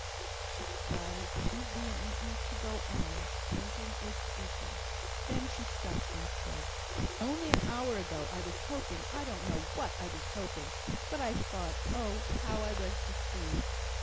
She cried too vehemently to go on thinking or speaking. Then she stopped, and said: "Only an hour ago I was hoping I don't know what I was hoping but I thought oh! how I was deceived!